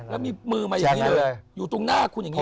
แล้วมีมือมาอย่างนี้เลยอยู่ตรงหน้าคุณอย่างนี้